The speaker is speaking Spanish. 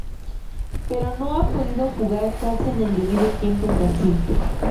Pero no ha podido jugar casi en el debido tiempo en Brasil